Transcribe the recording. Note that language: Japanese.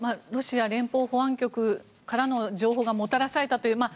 ロシア連邦保安局からの情報がもたらされたという。